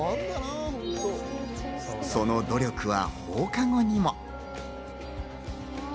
その努力は放課後にも。